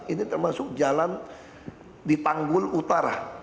ini termasuk jalan di tanggul utara